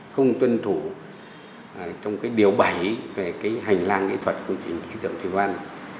không tuân thủ trong điều bày về hành lang nghệ thuật công trình khí tượng thủy văn